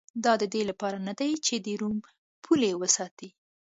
دا د دې لپاره نه چې د روم پولې وساتي